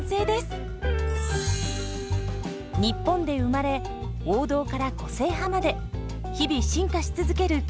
日本で生まれ王道から個性派まで日々進化し続けるカレーパン。